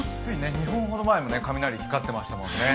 ２分ほど前も雷、光ってましたからね。